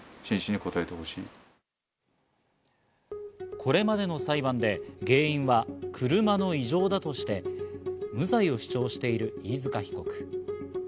これまでの裁判で、原因は車の異常だとして無罪を主張している飯塚被告。